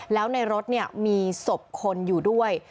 แล้วในรถเนี่ยมีสบคนอยู่ด้วย